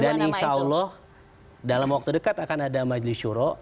dan insya allah dalam waktu dekat akan ada majlis syuroh